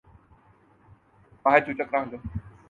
تو اس کے دوررس نتائج نکلیں گے جو یقینا مثبت ہوں۔